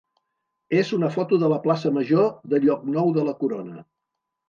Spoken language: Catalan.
és una foto de la plaça major de Llocnou de la Corona.